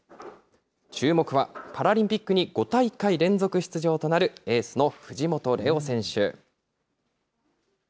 注目はパラリンピックに５大会連続出場となるエースの藤本怜央選手。